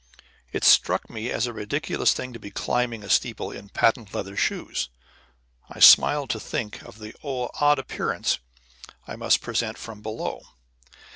It struck me as a ridiculous thing to be climbing a steeple in patent leather shoes. I smiled to think of the odd appearance I must present from below.